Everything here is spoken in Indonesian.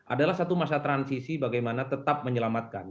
adalah satu masa transisi bagaimana tetap menyelamatkan